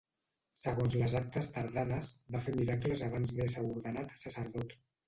Segons les actes tardanes, va fer miracles abans d'ésser ordenat sacerdot.